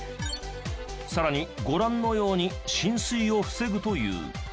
さらにご覧のように浸水を防ぐという。